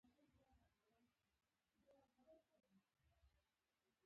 د جګړې ګټه د غرب د نصیب خوله او دانه شوه.